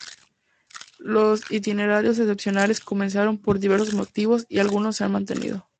Los itinerarios excepcionales, comenzaron por diversos motivos y algunos se han mantenido.